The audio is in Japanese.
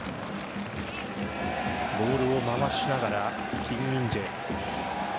ボールを回しながらキム・ミンジェ。